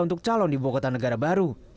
untuk calon ibu kota negara baru